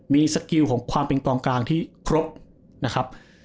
มีสกิลของความเป็นกองกลางที่ครบนะครับ